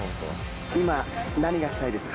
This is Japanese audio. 今、何がしたいですか？